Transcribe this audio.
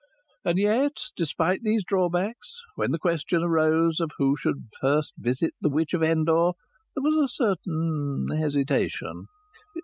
And yet, despite these drawbacks, when the question arose who should first visit the witch of Endor, there was a certain hesitation.